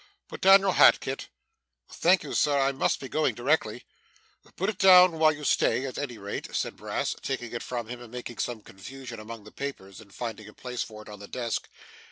Put down your hat, Kit.' 'Thank you Sir, I must be going directly.' 'Put it down while you stay, at any rate,' said Brass, taking it from him and making some confusion among the papers, in finding a place for it on the desk.